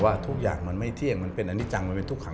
ทุกอย่างมันไม่เที่ยงมันเป็นอันนี้จังมันเป็นทุกขัง